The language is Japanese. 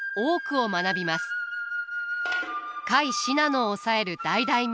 甲斐信濃を押さえる大大名